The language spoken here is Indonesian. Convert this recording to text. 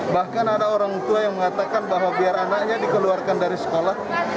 bahkan ada orang tua yang mengatakan bahwa biar anaknya dikeluarkan dari sekolah